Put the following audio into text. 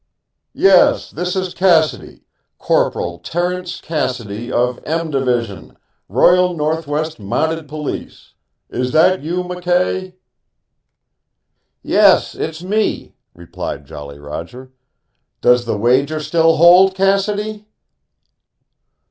"Yes, this is Cassidy Corporal Terence Cassidy, of 'M' Division, Royal Northwest Mounted Police. Is that you, McKay?" "Yes, it's me," replied Jolly Roger. "Does the wager still hold, Cassidy?"